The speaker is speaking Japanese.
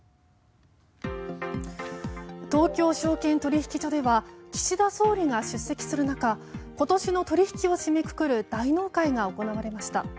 東京証券取引所では岸田総理が出席する中今年の取引を締めくくる大納会が行われました。